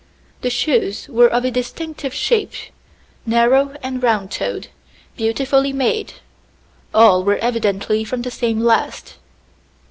The shoes were of a distinctive shape, narrow and round toed, beautifully made; all were evidently from the same last.